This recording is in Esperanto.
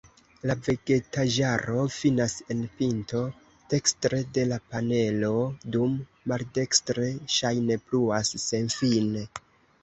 La vegetaĵaro finas en pinto dekstre de la panelo, dum maldekstre ŝajne pluas senfine.